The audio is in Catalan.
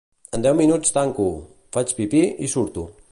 En deu minuts tanco, faig pipí, i surto